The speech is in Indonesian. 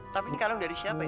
tapi ini kalung dari siapa ya